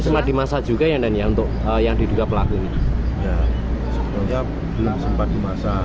sempat dimasak juga yang dan yang untuk yang diduga pelaku ini